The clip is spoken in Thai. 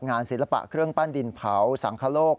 ศิลปะเครื่องปั้นดินเผาสังคโลก